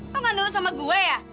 lo nggak nurut sama gue ya